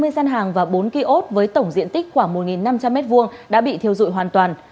một trăm hai mươi gian hàng và bốn ký ốt với tổng diện tích khoảng một năm trăm linh m hai đã bị thiêu dụi hoàn toàn